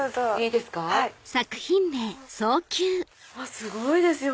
すごいですよ！